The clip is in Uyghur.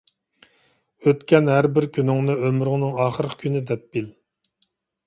ئۆتكەن ھەر بىر كۈنۈڭنى ئۆمرۈمنىڭ ئاخىرقى كۈنى دەپ بىل.